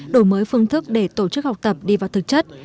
đổi mới phương thức để tổ chức học tập đi vào thực chất